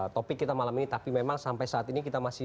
tetap bersama kami